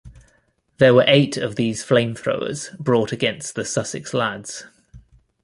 There were eight of these flamethrowers brought against the Sussex lads.